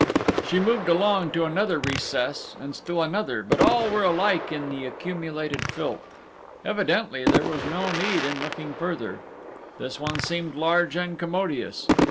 She moved along to another recess and still another, but all were alike in the accumulated filth. Evidently there was no need in looking further. This one seemed large and commodious.